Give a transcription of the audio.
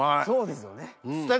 そうですよね。